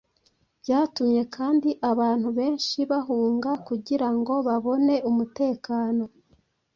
Byatumye kandi abantu benshi bahunga kugira ngo babone umutekano.